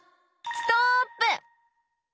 ストップ！